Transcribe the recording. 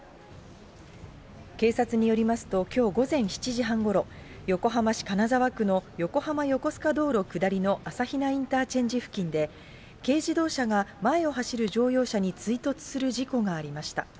警察によりますと、きょう午前７時半ごろ、横浜市金沢区の横浜横須賀道路下りの朝比奈インターチェンジ付近で、軽自動車が前を走る乗用車に追突する事故がありました。